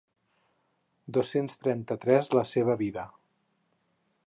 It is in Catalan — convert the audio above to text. Dos-cents trenta-tres la seva vida.